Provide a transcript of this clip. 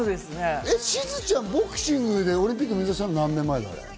しずちゃん、ボクシングでオリンピック目指したの何年前？